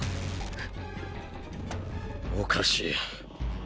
おかしい。